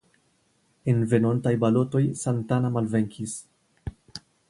En venontaj balotoj Santana malvenkis.